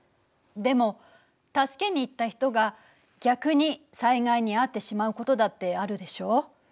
でも助けに行った人が逆に災害に遭ってしまうことだってあるでしょ？